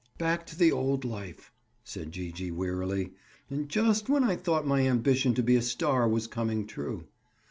"Back to the old life!" said Gee gee wearily. "And just when I thought my ambition to be a star was coming true."